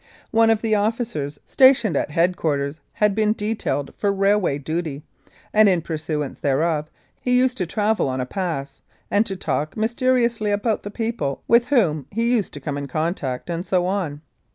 One of the officers stationed at head quarters had been detailed for railway duty, and in pursuance thereof he used to travel on a pass, and to talk mysteriously about the people with whom he used to come in contact, and so on.